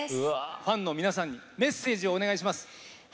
ファンの皆さんにメッセージをお願いします。